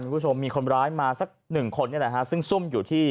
คุณผู้ชมมีคนร้ายมาสักหนึ่งคนนี่แหละฮะซึ่งซุ่มอยู่ที่